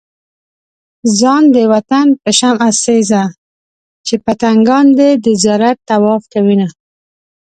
ځان د وطن په شمع سيزه چې پتنګان دې د زيارت طواف کوينه